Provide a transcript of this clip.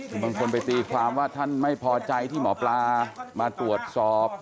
คือบางคนไปตีความว่าท่านไม่พอใจที่หมอปลามาตรวจสอบ